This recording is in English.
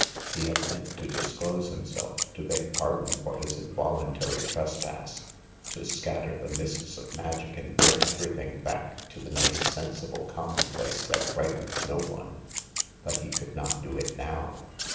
He had meant to disclose himself, to beg pardon for his involuntary trespass, to scatter the mists of magic and bring everything back to the nice, sensible, commonplace that frightens no one — but he could not do it now.